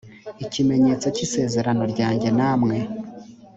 ikimenyetso cy isezerano ryanjye namwe